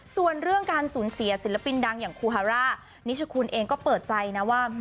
ส่วนเรื่องการสูญเสียศิลปินดังอย่างคูฮาร่านิชคุณเองก็เปิดใจนะว่า